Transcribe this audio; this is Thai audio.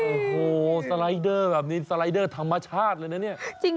โอ้โหสไลเดอร์แบบนี้สไลเดอร์ธรรมชาติเลยนะเนี่ย